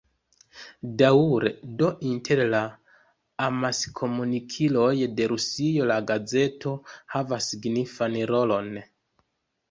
Daŭre do inter la amaskomunikiloj de Rusio la gazeto havas signifan rolon.